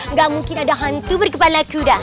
enggak mungkin ada hantu berkepala kuda